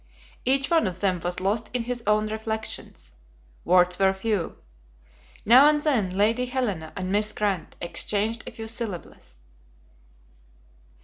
Each one of them was lost in his own reflections. Words were few. Now and then Lady Helena and Miss Grant exchanged a few syllables.